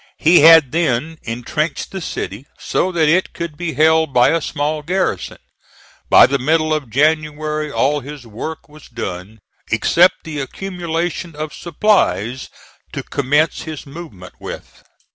He had then intrenched the city, so that it could be held by a small garrison. By the middle of January all his work was done, except the accumulation of supplies to commence his movement with.